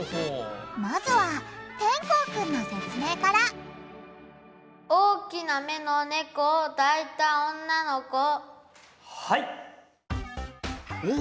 まずはてんこうくんの説明から大きな目の猫を抱いた女の子？